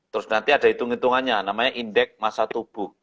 terus nanti ada hitung hitungannya namanya indeks masa tubuh